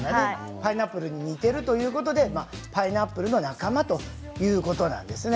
パイナップルに似ているということでパイナップルの仲間ということなんです。